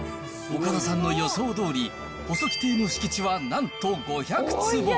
岡田さんの予想どおり、細木邸の敷地はなんと５００坪。